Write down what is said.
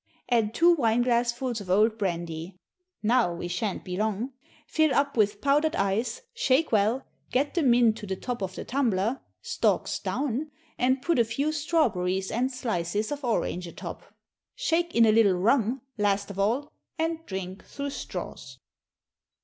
Add two wine glassfuls of old brandy now we shan't be long fill up with powdered ice, shake well, get the mint to the top of the tumbler, stalks down, and put a few strawberries and slices of orange atop. Shake in a little rum, last of all, and drink through straws.